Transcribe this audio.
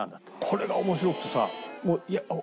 これが面白くてさ。